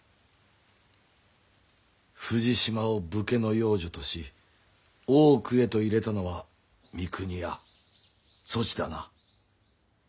富士島を武家の養女とし大奥へと入れたのは三国屋そちだな？